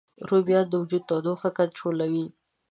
رومیان د وجود تودوخه کنټرولوي